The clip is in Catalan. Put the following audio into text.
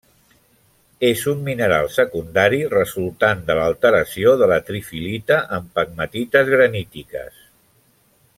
És un mineral secundari resultant de l'alteració de la trifilita en pegmatites granítiques.